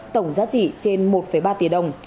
tổng giá trị trên một ba tỷ đồng